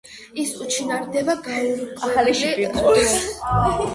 ის უჩინარდება გაურკვეველ დროს.